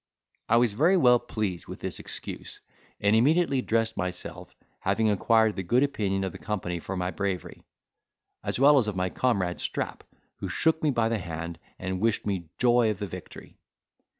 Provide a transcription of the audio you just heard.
I was very well pleased with this excuse, and immediately dressed myself, having acquired the good opinion of the company for my bravery, as well as of my comrade Strap, who shook me by the hand, and wished me joy of the victory.